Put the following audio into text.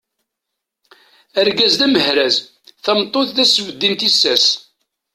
Argaz d amehraz, tameṭṭut d asbeddi n tissas.